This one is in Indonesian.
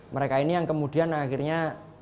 mereka ini yang kemudian akhirnya